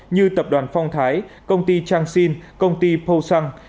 như tập đoàn phong thái công ty changxin công ty po sang